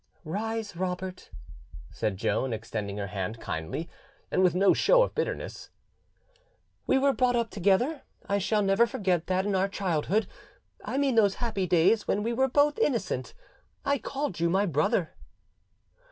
"Rise, Robert," said Joan, extending her hand kindly, and with no show of bitterness. "We were brought up together, and I shall never forget that in our childhood—I mean those happy days when we were both innocent—I called you my brother."